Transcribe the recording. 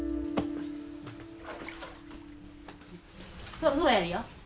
そろそろやりよ。